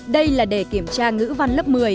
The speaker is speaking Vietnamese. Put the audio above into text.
đây là để kiểm tra ngữ văn lớp một mươi